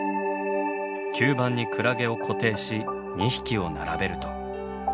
吸盤にクラゲを固定し２匹を並べると。